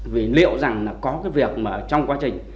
vì liệu rằng có việc trong quá trình